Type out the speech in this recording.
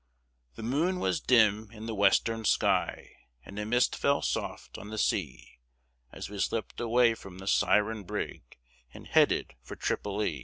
_ The moon was dim in the western sky, And a mist fell soft on the sea, As we slipped away from the Siren brig And headed for Tripoli.